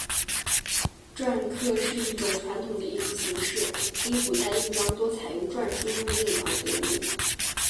篆刻是一种传统的艺术形式，因古代印章多采用篆书入印而得名。